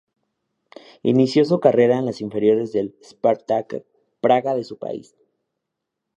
Inició su carrera en las inferiores del Spartak Praga de su país.